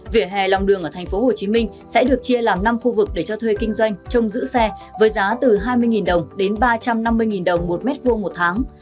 vỉa hè lòng đường ở tp hcm sẽ được chia làm năm khu vực để cho thuê kinh doanh trong giữ xe với giá từ hai mươi đồng đến ba trăm năm mươi đồng một mét vuông một tháng